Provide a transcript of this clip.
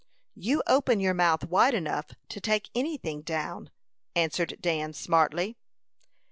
"You open your mouth wide enough to take any thing down," answered Dan, smartly.